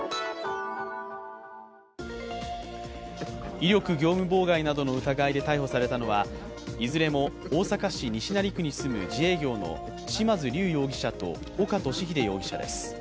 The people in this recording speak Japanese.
威力業務妨害などの疑いで逮捕されたのはいずれも大阪市西成区に住む自営業の嶋津龍容疑者と岡敏秀容疑者です。